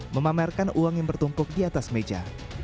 memamerkan uang yang bertumpuk di atas meja